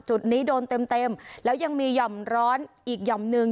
จุดนี้โดนเต็มเต็มแล้วยังมีหย่อมร้อนอีกหย่อมหนึ่ง